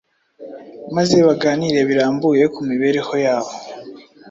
maze baganire birambuye ku mibereho yabo